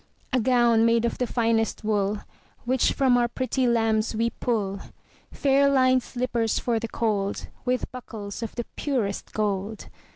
A gown made of the finest wool Which from our pretty lambs we pull; Fair linèd slippers for the cold, 15 With buckles of the purest gold.